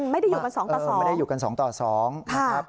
ไม่ได้อยู่กัน๒ต่อ๒ไม่ได้อยู่กัน๒ต่อ๒นะครับ